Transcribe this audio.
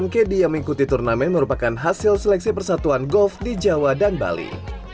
kd yang mengikuti turnamen merupakan hasil seleksi persatuan golf di jawa dan bali